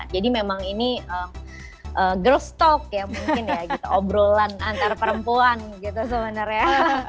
jadi memang ini girls talk ya mungkin ya gitu obrolan antar perempuan gitu sebenarnya